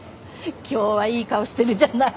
今日はいい顔してるじゃない。